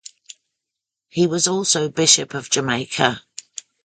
He was also bishop of Jamaica.